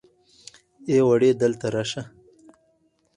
ای وړې دلته راشه.